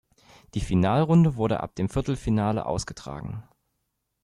Die Finalrunde wurde ab dem Viertelfinale ausgetragen.